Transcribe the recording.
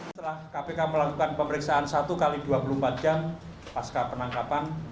setelah kpk melakukan pemeriksaan satu x dua puluh empat jam pasca penangkapan